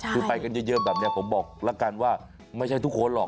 คือไปกันเยอะแบบนี้ผมบอกแล้วกันว่าไม่ใช่ทุกคนหรอก